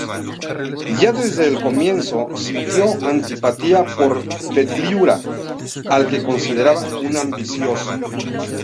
Ya desde el comienzo, sintió antipatía por Petliura, al que consideraba un ambicioso.